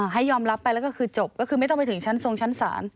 ให้ยอมรับไปแล้วก็คือจบก็คือไม่ต้องไปถึงชั้นทรงชั้นศาล